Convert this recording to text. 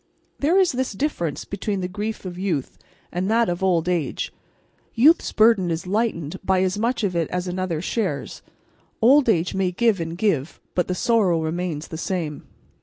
There is this difference between the grief of youth and that of old age: youth's burden is lightened by as much of it as another shares; old age may give and give, but the sorrow remains the same.